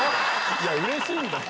いやうれしいんだよ！